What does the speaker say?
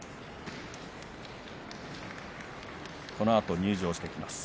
このあと入場してきます。